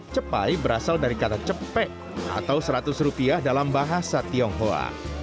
cepai berasal dari kata cepek atau seratus rupiah dalam bahasa tionghoa